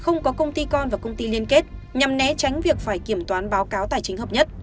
không có công ty con và công ty liên kết nhằm né tránh việc phải kiểm toán báo cáo tài chính hợp nhất